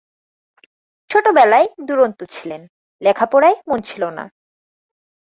ছোট বেলায় দুরন্ত ছিলেন, লেখাপড়ায় মন ছিল না।